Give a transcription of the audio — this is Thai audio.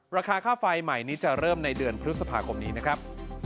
ราคาค่าไฟใหม่นี้จะเริ่มในเดือนพฤษภาคมนี้นะครับ